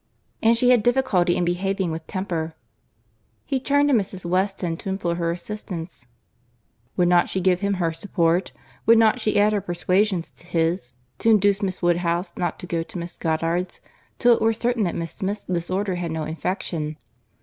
and she had difficulty in behaving with temper. He turned to Mrs. Weston to implore her assistance, "Would not she give him her support?—would not she add her persuasions to his, to induce Miss Woodhouse not to go to Mrs. Goddard's till it were certain that Miss Smith's disorder had no infection?